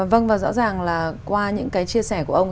vâng ạ và rõ ràng là qua những chia sẻ của ông